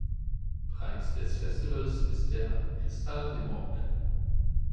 Preis des Festivals ist der Kristall-Simorgh.